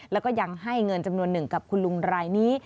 แล้วก็ยังให้เงินจำนวนหนึ่งกับคุณลุงรายนี้